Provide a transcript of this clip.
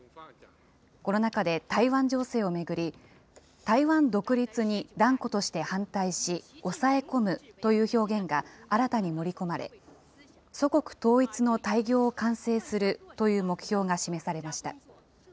この中で台湾情勢を巡り、台湾独立に断固として反対し、抑え込むという表現が新たに盛り込まれ、祖国統一の大業を完成するという目標が示されました。